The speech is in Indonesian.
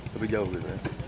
lebih jauh gitu ya